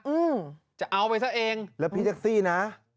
อืมจะเอาไปซะเองแล้วพี่แท็กซี่นะ